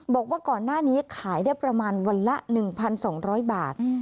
บอกว่าก่อนหน้านี้ขายได้ประมาณวันละ๑๒๐๐บาท